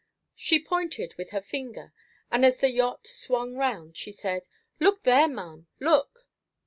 She pointed with her finger, and as the yacht swung round she said, "Look there, ma'am, look!"